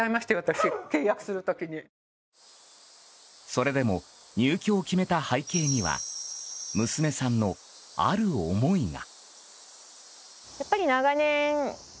それでも入居を決めた背景には娘さんの、ある思いが。